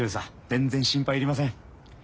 全然心配いりません。